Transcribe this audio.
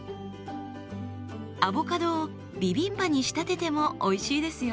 アボカドをビビンバに仕立ててもおいしいですよ。